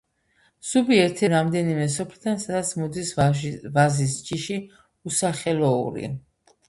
ზუბი ერთ-ერთია იმ რამდენიმე სოფლიდან, სადაც მოდის ვაზის ჯიში უსახელოური.